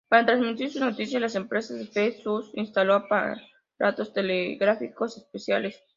Para transmitir sus noticias la empresa del F. C. Sud instaló aparatos telegráfico especiales.